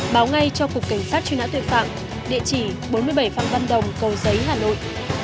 báo ngay cho cục cảnh sát truy nã tội phạm địa chỉ bốn mươi bảy phạm văn đồng cầu giấy hà nội